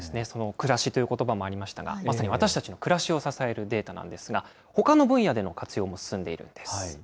暮らしということばもありましたが、まさに私たちの暮らしを支えるデータなんですが、ほかの分野での活用も進んでいるんです。